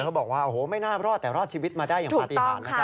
เขาบอกว่าโอ้โหไม่น่ารอดแต่รอดชีวิตมาได้อย่างปฏิหารนะครับ